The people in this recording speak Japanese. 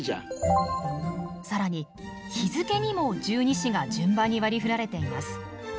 更に日付にも十二支が順番に割りふられています。